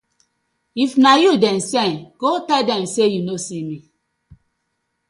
If na yu dem sen, go tell dem say yu no see me.